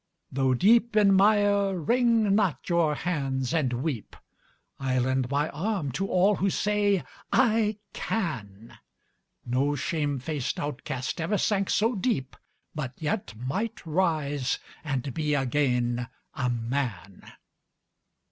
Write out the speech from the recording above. Though deep in mire, wring not your hands and weep; I lend my arm to all who say "I can!" No shame faced outcast ever sank so deep, But yet might rise and be again a man